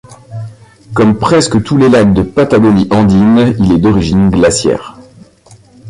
Comme presque tous les lacs de Patagonie andine, il est d'origine glaciaire.